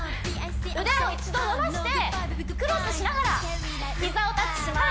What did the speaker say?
腕を一度伸ばしてクロスしながら膝をタッチします